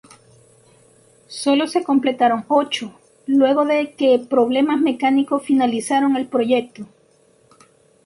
Solo se completaron ocho, luego de que problemas mecánicos finalizaron el proyecto.